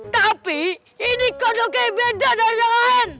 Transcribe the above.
tapi ini kodoknya beda dari yang lain